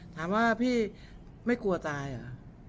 ถามว่าพี่ไม่กลัวตายเหรอ